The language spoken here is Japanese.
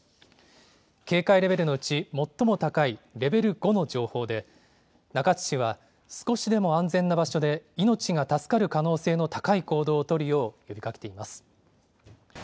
警戒レベルのうち最も高いレベル５の情報で、中津市は少しでも安全な場所で命が助かる可能性の高い行動を取るよう呼びかけています。